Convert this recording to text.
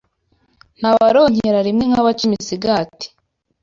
Nta baronkera rimwe nk'abaca imisigati